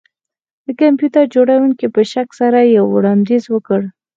د کمپیوټر جوړونکي په شک سره یو وړاندیز وکړ